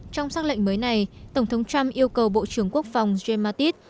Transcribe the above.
trong xác lệnh mới này tổng thống trump yêu cầu bộ trưởng quốc phòng james mattis